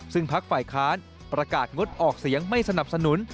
ซึ่งพักฝ่ายค้านประกาศงดออกเสียงไม่สนับสนุน